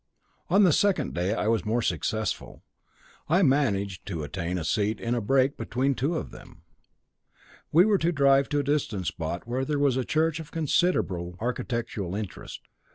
On the second day I was more successful. I managed to obtain a seat in a brake between two of them. We were to drive to a distant spot where was a church of considerable architectural interest.